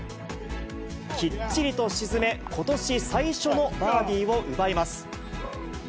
きっちりと沈め、ことし最初のバーディーを奪います。